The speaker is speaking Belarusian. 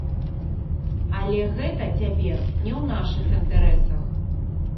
Але гэта цяпер не ў нашых інтарэсах.